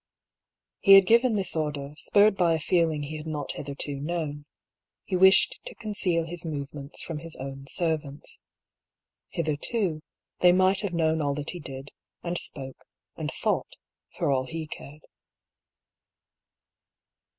He had given this order, spurred by a feeling he had not hitherto known : he wished to conceal his move ments from his own servants. Hitherto, they might have known all that he did, and spoke, and thought, for all he cared.